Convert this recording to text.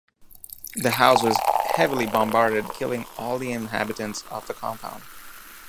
The house was heavily bombarded killing all the inhabitants of the compound.